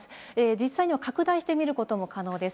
実際には拡大して見ることも可能です。